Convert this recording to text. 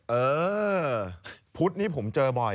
เออพุธนี้ผมเจอบ่อย